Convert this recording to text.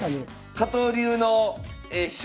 加藤流の飛車